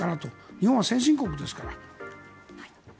日本は先進国ですから。